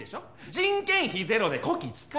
人件費ゼロでこき使えるのは。